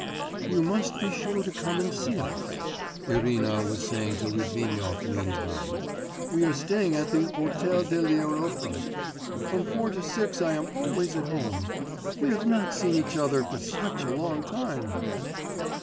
'You must be sure to come and see us,' Irina was saying to Litvinov meantime; 'we are staying at the Hôtel de l'Europe. From four to six I am always at home. We have not seen each other for such a long time.